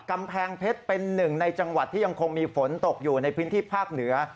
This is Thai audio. กำแพงเพชรเป็นหนึ่งในจังหวัดที่ยังคงมีฝนตกอยู่ในพื้นที่ภาคเหนือ